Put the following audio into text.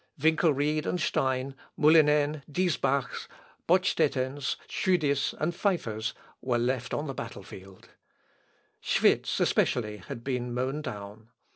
Winkelried and Stein, Mulinen, Diesbachs, Bonstettens, Tschudis, and Pfyffers, were left on the battle field. Schwitz, especially, had been mown down.